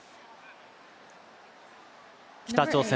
北朝鮮。